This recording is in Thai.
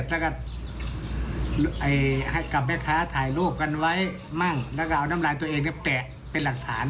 แล้วก็ให้กับแม่ค้าถ่ายรูปกันไว้มั่งแล้วก็เอาน้ำลายตัวเองก็แกะเป็นหลักฐาน